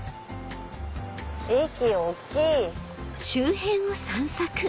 駅大っきい！